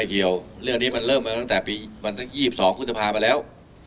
เดี๋ยวเรื่องนี้มันเริ่มให้แล้วตั้งแต่วันที่๒๒ก็พูดคูณสภาพมาแล้ว